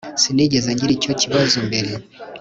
Sinigeze ngira icyo kibazo mbere